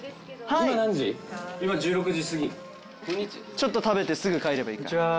ちょっと食べてすぐ帰ればいいか。